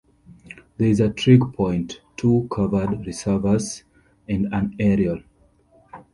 There is a trig point, two covered reservoirs and an aerial.